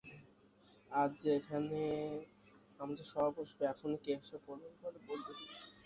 আজ যে এখানে আমাদের সভা বসবে– এখনই কে এসে পড়বে, বিপদে পড়বি।